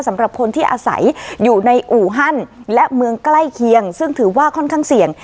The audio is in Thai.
สำหรับคนที่อาศัยอยู่ในอู่ฮั่นและเมืองใกล้เคียงซึ่งถือว่าค่อนข้างเสี่ยง